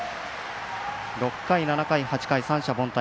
６回、７回、８回、三者凡退。